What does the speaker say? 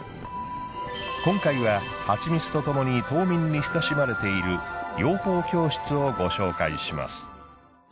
今回は蜂蜜とともに島民に親しまれている養蜂教室をご紹介します。